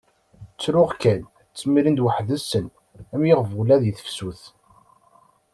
Ttruɣ kan, ttmirin weḥd-sen am yiɣbula di tefsut.